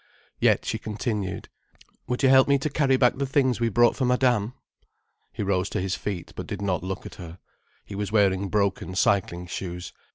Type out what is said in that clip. Yet she continued: "Would you help me to carry back the things we brought for Madame?" He rose to his feet, but did not look at her. He was wearing broken cycling shoes.